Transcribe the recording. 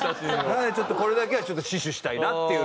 なのでちょっとこれだけは死守したいなっていうのが。